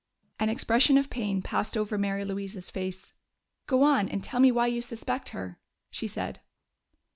An expression of pain passed over Mary Louise's face. "Go on, and tell me why you suspect her," she said.